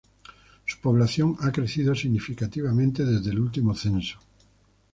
Su población ha crecido significativamente desde el último censo.